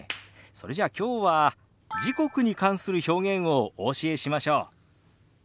それじゃあきょうは時刻に関する表現をお教えしましょう。